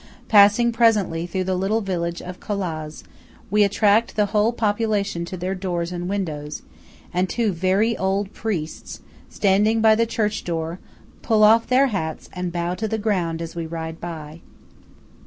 Passing presently through the little village of Collaz, we attract the whole population to their doors and windows; and two very old priests, standing by the church door, pull off their hats and bow to the ground as we ride by.